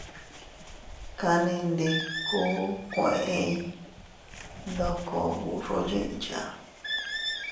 Kannindiku kueʼey ndoko burro yiʼya.